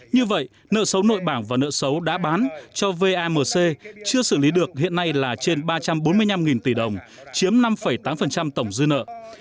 như vậy nợ xấu nội bảng và nợ xấu đã bán cho vamc chưa xử lý được hiện nay là trên ba trăm bốn mươi năm tỷ đồng chiếm năm tám tổng dư nợ